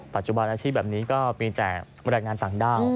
ปัจจุบันอาชีพแบบนี้ก็มีแต่บรรยายงานต่างด้าว